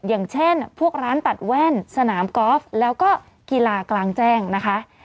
อย่างเช่นพวกร้านตัดแว่นสนามกอล์ฟแล้วก็กีฬากลางแจ้งนะคะ